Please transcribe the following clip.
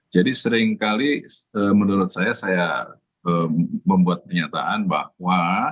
jadi seringkali menurut saya saya membuat pernyataan bahwa